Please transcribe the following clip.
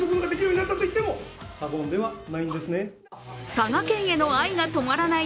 佐賀県への愛が止まらない